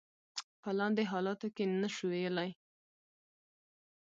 په لاندې حالاتو کې نشو ویلای.